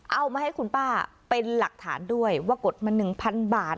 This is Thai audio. เอามาให้คุณป้าเป็นหลักฐานด้วยว่ากดมา๑๐๐บาท